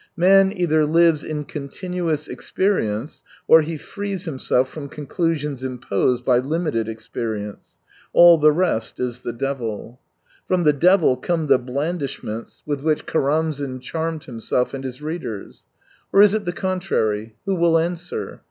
Man either lives in continuous experience, or he frees himself from conclusions imposed by limited experience. All the rest is the devil. From the devil come the blandishments with 179 which Karamzin charmed himself and his readers. ... Or is it the contrary ? Who will answer